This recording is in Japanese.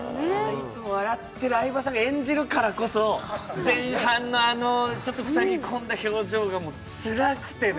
いつも笑ってる相葉さんが演じるからこそ、前半のちょっとふさぎ込んだ表情がつらくてね。